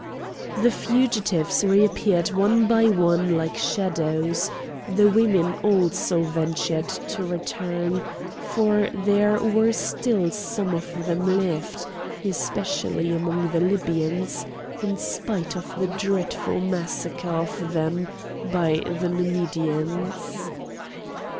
The fugitives reappeared one by one like shadows; the women also ventured to return, for there were still some of them left, especially among the Libyans, in spite of the dreadful massacre of them by the Numidians.